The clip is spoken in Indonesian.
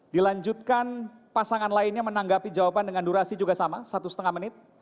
dilanjutkan pasangan lainnya menanggapi jawaban dengan durasi juga sama satu setengah menit